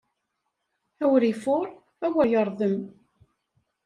Awer ifuṛ, awer yeṛdem!